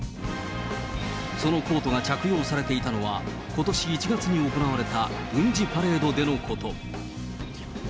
そのコートが着用されていたのは、ことし１月に行われた軍事パレードでのこと。